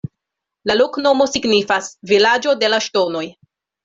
La loknomo signifas: "Vilaĝo de la Ŝtonoj".